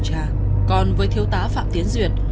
còn với thiếu tá phạm tiến duyệt